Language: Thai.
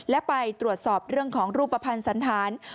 และไปตรวจสอบเรื่องของรูปภัณฑ์สันธาร